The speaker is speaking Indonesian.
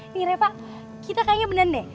nih repak kita kayaknya bener deh